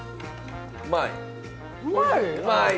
うまい？